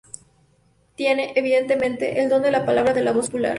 Tiene, evidentemente, el don de la palabra, de la voz popular.